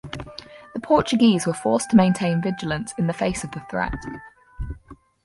The Portuguese were forced to maintain vigilance in the face of the threat.